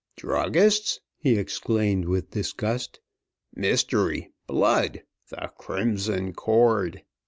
"Druggists?" he exclaimed with disgust. "Mystery! Blood! 'The Crimson Cord.'